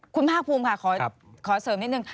คุณภาคภูมิค่ะขอเสริมนิดนึง